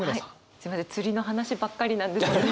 すみません釣りの話ばっかりなんですけど。